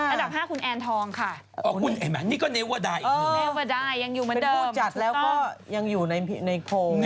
อันดับตอน๔คุณแอนทองค่ะอ๋อเป็นผู้จัดแล้วก็ยังอยู่ในโพง